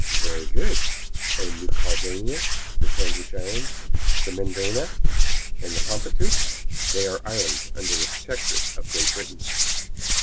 "Very good, and New Caledonia, the Sandwich Islands, the Mendana, the Pomotou?" "They are islands under the Protectorate of Great Britain."